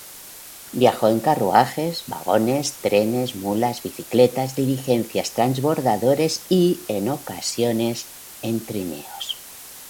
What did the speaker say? Viajó en carruajes, vagones, trenes, mulas, bicicletas, diligencias, transbordadores y, en ocasiones, en trineos.